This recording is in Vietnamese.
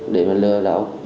để mà lừa lão